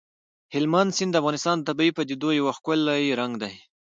هلمند سیند د افغانستان د طبیعي پدیدو یو ښکلی رنګ دی.